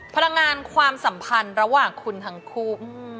พลังงานความสัมพันธ์ระหว่างคุณทั้งคู่